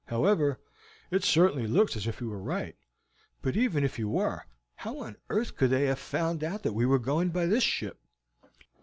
However, it certainly looks as if you were right; but even if you were, how on earth could they have found out that we were going by this ship?"